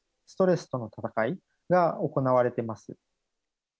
ストレスとの闘いが行われてます。